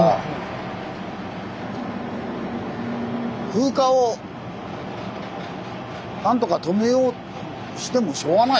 風化をなんとか止めようとしてもしょうがないよね。